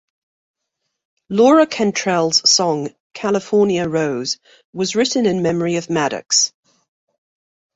Laura Cantrell's song "California Rose" was written in memory of Maddox.